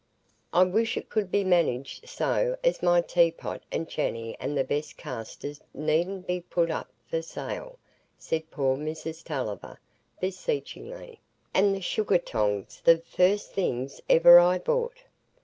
"I wish it could be managed so as my teapot and chany and the best castors needn't be put up for sale," said poor Mrs Tulliver, beseechingly, "and the sugar tongs the first things ever I bought."